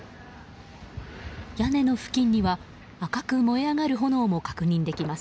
屋根の付近には赤く燃え上がる炎も確認できます。